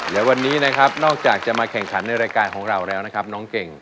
และวันนี้นะครับนอกจากจะมาแข่งขันในรายการของเราแล้วนะครับน้องเก่ง